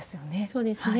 そうですね。